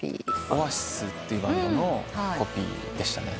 オアシスっていうバンドのコピーでしたね。